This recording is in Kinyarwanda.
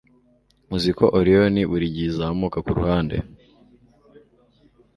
Uziko Orion burigihe izamuka kuruhande